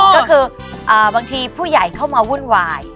ก็คือบางทีผู้ใหญ่เข้ามาวุ่นวาย